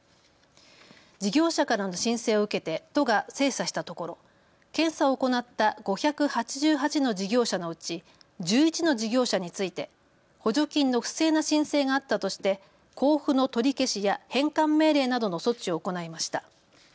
事業者からの申請を受けて都が精査したところ検査を行った５８８の事業者のうち１１の事業者について補助金の不正な申請があったとして交付の取り消しや返還命令などの措置を行いました。